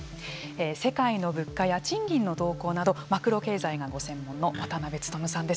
世界の物価や賃金の動向などマクロ経済がご専門の渡辺努さんです。